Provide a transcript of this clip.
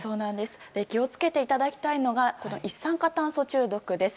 気を付けていただきたいのが一酸化炭素中毒です。